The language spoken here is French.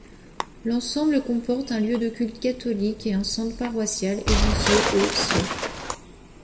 L'ensemble comporte un lieu de culte catholique et un centre paroissial, édifiés au siècle.